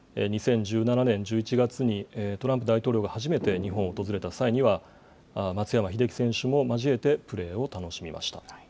２０１７年１１月に、トランプ前大統領が初めて日本を訪れた際には、松山英樹選手も交えてプレーを楽しみました。